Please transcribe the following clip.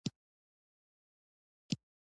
بوټونه د غره ختنې لپاره قوي جوړېږي.